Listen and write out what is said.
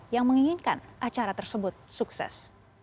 yang menginginkan acara tersebut sukses